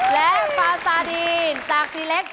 และฟาซาดีนจากทีเล็ก